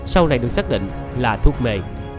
sau này được xác định là thuốc mề